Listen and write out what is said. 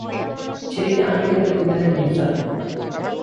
ছেলেকে আইনের হাতে তুলে দেন মির্জা।